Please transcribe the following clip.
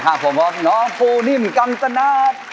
ค่ะผมพ่อน้องฟูนิมกัมตนาท